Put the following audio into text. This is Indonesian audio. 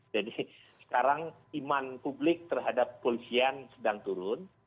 jadi sekarang iman publik terhadap polisian sedang turun